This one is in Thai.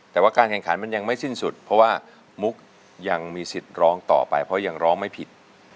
แต่ว่าการแข่งขันมันยังไม่สิ้นสุดเพราะว่ามุกยังมีสิทธิ์ร้องต่อไปเพราะยังร้องไม่ผิด